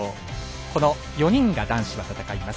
この４人が男子は戦います。